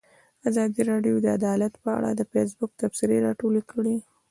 ازادي راډیو د عدالت په اړه د فیسبوک تبصرې راټولې کړي.